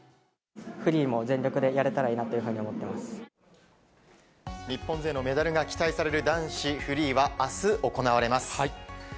フリーも全力でやれたらいい日本勢のメダルが期待される男子フリーは、あす行われます。